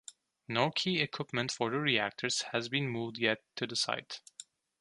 No key equipment for the reactors has been moved yet to the site.